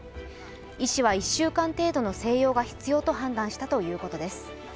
医師は、１週間程度の静養が必要だと判断したということです。